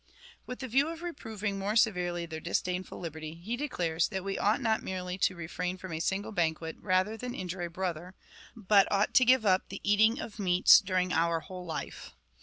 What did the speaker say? With the view of reproving more severely their disdainful liberty, he declares, that we ought not merely to refrain from a single banquet rather than injure a brother, but ought to give up the eating of meats during our whole life.